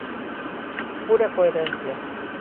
¡Pura coherencia!